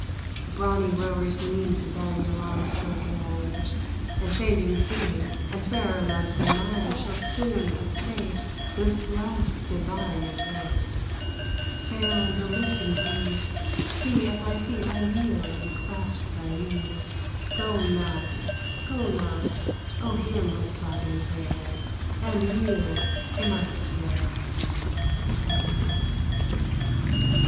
The brawny rowers lean To bend long stroking oars; and changing scene And fairer loves than mine shall soon efface This last divine embrace. Phaon, the lifting breeze! See, at thy feet I kneel and clasp thy knees! Go not, go not! O hear my sobbing prayer, And yield to my despair!